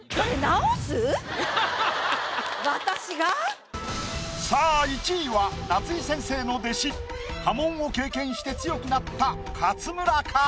私が⁉さあ１位は夏井先生の弟子破門を経験して強くなった勝村か？